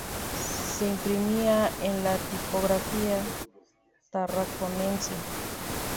Se imprimía en la Tipografía Tarraconense.